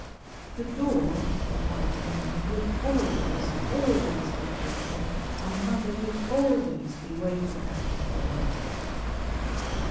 "The door," replied Maimie, "will always, always be open, and mother will always be waiting at it for me."